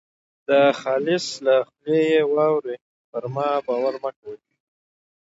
د خالص له خولې یې واورۍ پر ما باور مه کوئ.